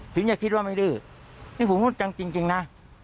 ถึงจะคิดว่าไม่ดื้อนี่ผมพูดจังจริงนะ